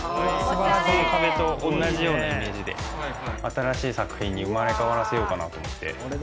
壁と同じような感じで、新しい作品に生まれ変わらせようかなと思って。